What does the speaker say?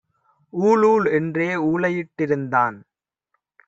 ஊழ் ஊழ் என்றே ஊளையிட் டிருந்தான்.